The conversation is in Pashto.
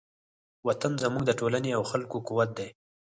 وطن زموږ د ټولنې او خلکو قوت دی.